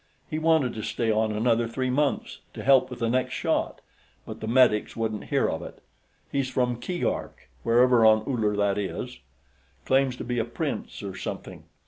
He wanted to stay on another three months, to help with the next shot, but the medics wouldn't hear of it.... He's from Keegark, wherever on Uller that is; claims to be a prince, or something.